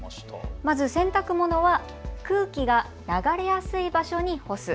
まず洗濯物は空気が流れやすい場所に干す。